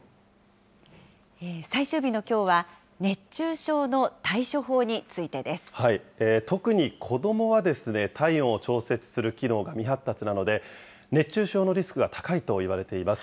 最終日のきょうは、熱中症の対処法についてです。特に子どもは、体温を調節する機能が未発達なので、熱中症のリスクが高いといわれています。